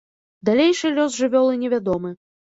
Далейшы лёс жывёлы невядомы.